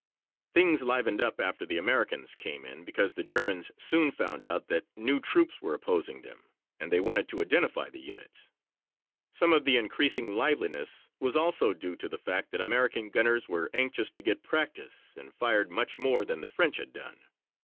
Things livened up after the Americans came in because the Germans soon found out that new troops were opposing them and they wanted to identify the units. Some of the increasing liveliness was also due to the fact that American gunners were anxious to get practice and fired much more than the French had done.